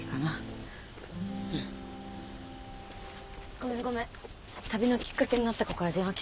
ごめんごめん旅のきっかけになった子から電話来ちゃった。